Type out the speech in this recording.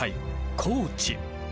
高知。